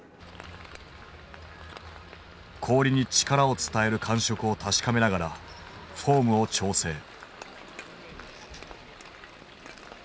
氷に力を伝える感触を確かめながらフォームを調整。